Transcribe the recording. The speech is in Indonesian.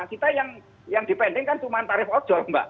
kita yang dipending kan cuma tarif ojol mbak